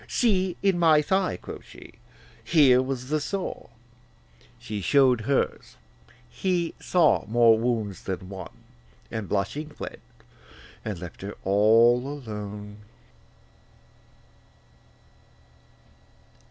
See, in my thigh,' quoth she, 'here was the sore. She showed hers: he saw more wounds than one, And blushing fled, and left her all alone.